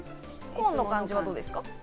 コーンの感じはどうですか？